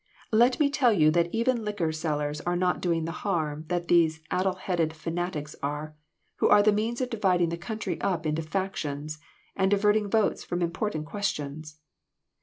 Let me tell you that even liquor sellers are not doing the harm that these addle headed fanatics are, who are the means of dividing the country up into factions, and diverting votes from important ques tions.